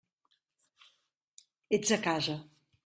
Ets a casa.